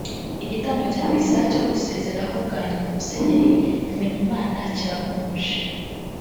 Igitambo cya misa yo gusezeraho bwa nyuma Musenyeri Bimenyimana kirahumuje…